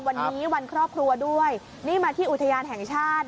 วันนี้วันครอบครัวด้วยนี่มาที่อุทยานแห่งชาติ